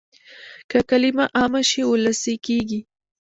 که کلمه عامه شي وولسي کېږي.